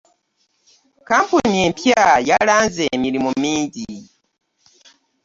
Kkampuni empya yalanze emirimu mingi.